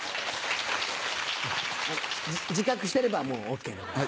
自覚してればもうＯＫです。